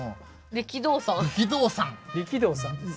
「力道さん」です。